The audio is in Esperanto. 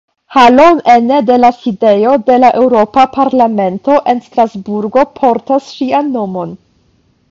Halo ene de la Sidejo de la Eŭropa Parlamento en Strasburgo portas ŝian nomon.